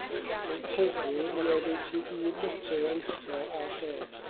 Mae'n tyfu i oddeutu un metr o uchder a lled.